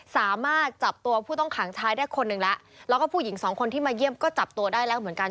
สามารถจับตัวผู้ต้องขังชายได้คนหนึ่งแล้วแล้วก็ผู้หญิงสองคนที่มาเยี่ยมก็จับตัวได้แล้วเหมือนกัน